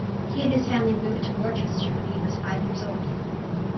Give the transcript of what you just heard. He and his family moved to Worcester when he was five years old.